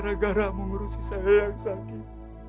gara gara mengurusi saya yang sakit